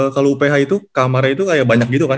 kalau uph itu kamarnya itu kayak banyak gitu kan